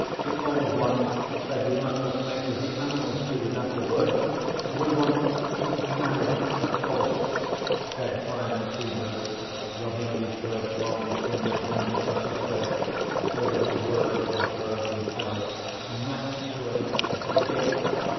The Old Ones said we must not mate as the animals do without the words. We want " "Marry, of course," said Brian feebly, rubbing his great, long fingered hand across his face so that the words were blurred and dull. "Naturally. Beget.